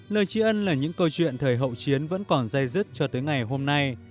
lời tri ân là những câu chuyện thời hậu chiến vẫn còn dây dứt cho tới ngày hôm nay